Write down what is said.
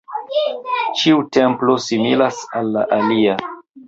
Ĉiu templo similas al la alia.